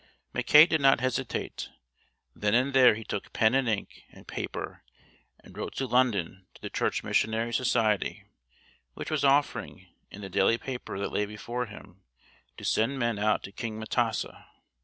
'" Mackay did not hesitate. Then and there he took pen and ink and paper and wrote to London to the Church Missionary Society which was offering, in the daily paper that lay before him, to send men out to King M'tesa.